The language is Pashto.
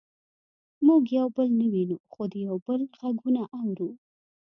موږ یو بل نه وینو خو د یو بل غږونه اورو